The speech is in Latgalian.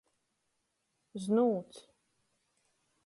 Znūts.